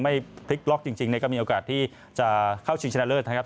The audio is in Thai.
พลิกล็อกจริงก็มีโอกาสที่จะเข้าชิงชนะเลิศนะครับ